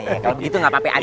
kalau begitu gak apa apa adil